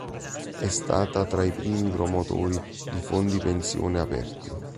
È stata tra i primi promotori di fondi pensione aperti.